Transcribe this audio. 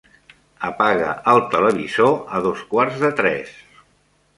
Apaga el televisor a dos quarts de tres.